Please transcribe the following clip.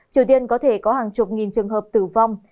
triều tiên có thể có hàng chục nghìn trường hợp tử vong